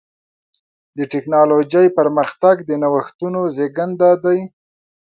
د ټکنالوجۍ پرمختګ د نوښتونو زېږنده دی.